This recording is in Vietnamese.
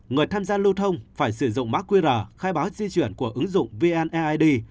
người tham gia lưu thông phải sử dụng markweera khai báo di chuyển của ứng dụng vn aid